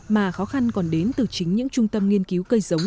mà khó khăn còn đến từ chính những trung tâm nghiên cứu cây giống